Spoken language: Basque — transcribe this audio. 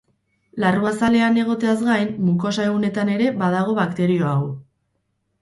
Larruazalean egoteaz gain, mukosa-ehunetan ere badago bakterio hau.